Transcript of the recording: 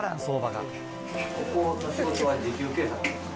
ここのお仕事は時給計算なんですか？